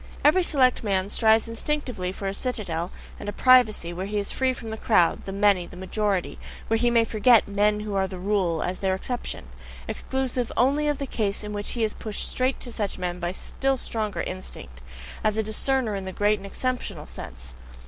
Every select man strives instinctively for a citadel and a privacy, where he is FREE from the crowd, the many, the majority where he may forget "men who are the rule," as their exception; exclusive only of the case in which he is pushed straight to such men by a still stronger instinct, as a discerner in the great and exceptional sense.